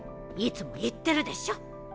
いつも言ってるでしょ。